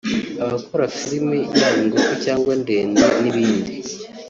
abakora filimi yaba ingufi cyangwa ndende n’ibindi